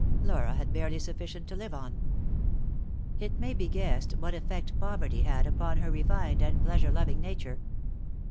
Laura had barely sufficient to live on. It may be guessed what effect poverty had upon her refined and pleasure loving nature.